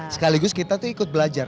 sekaligus kita tuh ikut belajar